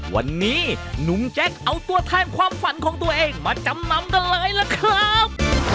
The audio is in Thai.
วันนี้หนุ่มแจ็คเอาตัวแทนความฝันของตัวเองมาจำนำกันเลยล่ะครับ